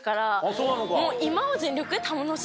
そうなのか。